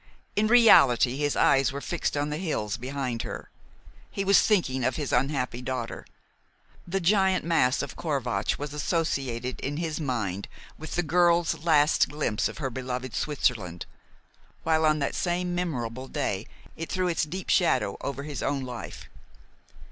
In reality his eyes were fixed on the hills behind her. He was thinking of his unhappy daughter. The giant mass of Corvatsch was associated in his mind with the girl's last glimpse of her beloved Switzerland, while on that same memorable day it threw its deep shadow over his own life.